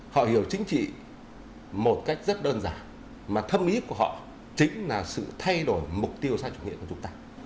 họ hiểu chính trị một cách rất đơn giản mà thâm ý của họ chính là sự thay đổi mục tiêu xã chủ nghĩa của chúng ta